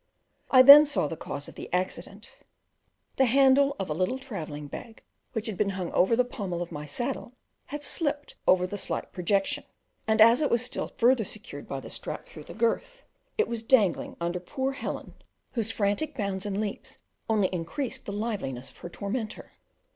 I then saw the cause of the accident: the handle of a little travelling bag which had been hung over the pommel of my saddle had slipped over the slight projection, and as it was still further secured by a strap through the girth, it was dangling under poor Helen, whose frantic bounds and leaps only increased the liveliness of her tormentor.